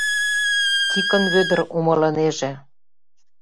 — Тикын Вӧдыр умылынеже.